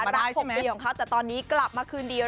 บากฝอผิดของเขาแต่ตอนนี้กลับมาคืนดี